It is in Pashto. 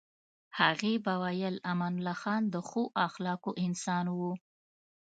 هغې به ویل امان الله خان د ښو اخلاقو انسان و.